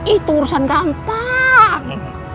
itu urusan gampang